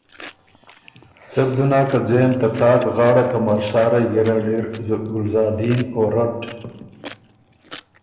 څۀ بو ځُونه که ځېم ته تاک غاړه کمرسارئ ګېرډ اِر ګلزادین او رټ